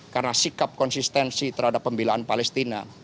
karena sikap konsistensi terhadap pemilaan palestina